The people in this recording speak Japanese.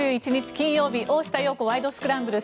金曜日「大下容子ワイド！スクランブル」。